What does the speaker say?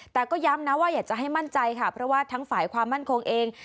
แต่ก็ย้ำนะว่าอยากจะให้มั่นใจค่ะเพราะว่าทั้งฝ่ายความมั่นคงเอง